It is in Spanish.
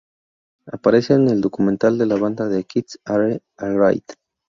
Aparece en el documental de la banda "The Kids Are Alright".